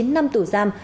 chín năm tù giam